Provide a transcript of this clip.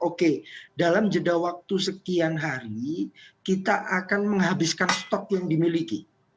oke dalam jeda waktu sekian hari kita akan menghabiskan stok yang dimiliki